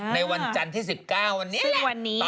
ในวันจันทร์ที่๑๙วันนี้